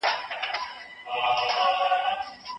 له حده زیاته خندا هم ښه نه ده.